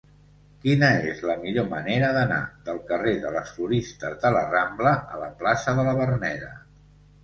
Quina és la millor manera d'anar del carrer de les Floristes de la Rambla a la plaça de la Verneda?